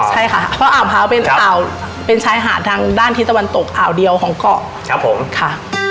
ใช่ค่ะเพราะอ่าวพร้าวเป็นอ่าวเป็นชายหาดทางด้านที่ตะวันตกอ่าวเดียวของเกาะครับผมค่ะ